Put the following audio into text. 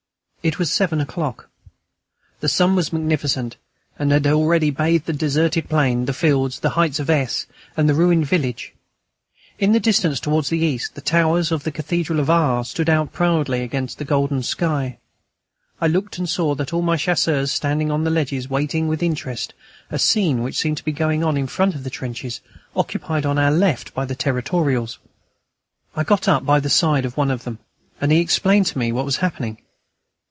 It was seven o'clock. The sun was magnificent, and had already bathed the deserted plain, the fields, the heights of S., and the ruined village. In the distance, towards the east, the towers of the cathedral of R. stood out proudly against the golden sky. I looked and saw all my Chasseurs standing on the ledges watching with interest a scene which seemed to be going on in front of the trenches occupied on our left by the Territorials. I got up by the side of one of them, and he explained to me what was happening.